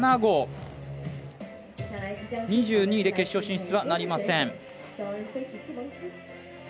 ２２位で決勝進出はなりません。